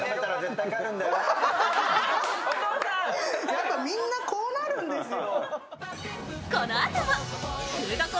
やっぱ、みんなこうなるんですよ。